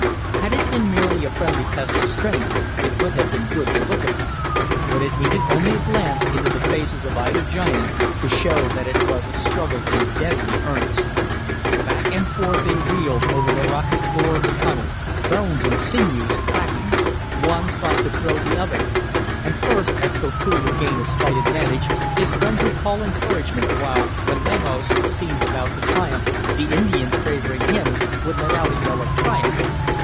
Had it been merely a friendly test of strength it would have been good to look upon. But it needed only a glance into the faces of either giant to show that it was a struggle in deadly earnest. Back and forth they reeled over the rocky floor of the tunnel, bones and sinews cracking. One sought to throw the other, and first, as Koku would gain a slight advantage, his friends would call encouragement, while, when Lamos seemed about to triumph, the Indians favoring him would let out a yell of triumph.